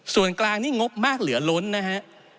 ส่วนกลางนี่งบมากเหลือล้นนะฮะ